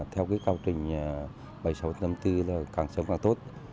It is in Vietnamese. theo cái cao trình bảy nghìn sáu trăm năm mươi bốn là càng sớm càng tốt